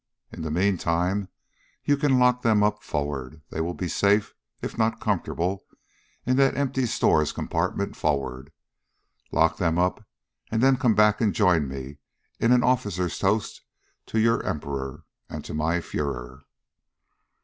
In the meantime you can lock them up forward. They will be safe, if not comfortable, in that empty stores compartment forward. Lock them up, and then come back and join me in an officer's toast to your Emperor, and to my Fuehrer."